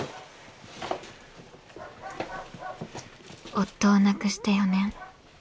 夫を亡くして４年。